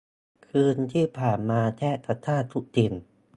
คืนที่ผ่านมาแทบจะฆ่าทุกสิ่ง